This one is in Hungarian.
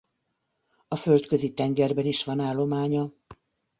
A Földközi-tengerben is van állománya.